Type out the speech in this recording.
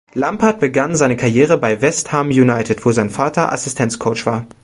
Lampard begann seine Karriere bei West Ham United, wo sein Vater Assistenzcoach war.